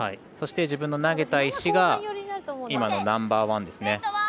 そして自分の投げた石が今のナンバーワンですね。